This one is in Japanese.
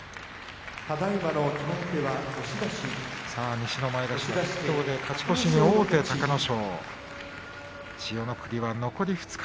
西の前頭筆頭で勝ち越しに王手の隆の勝。